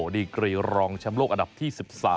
ดีกรีรองแชมป์โลกอันดับที่๑๓